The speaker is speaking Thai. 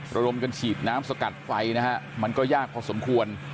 ระดมกันฉีดน้ำสกัดไฟนะฮะมันก็ยากพอสมควร